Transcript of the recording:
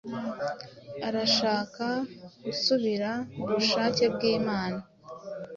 Arashaka gusubira mu bushake bw’Imana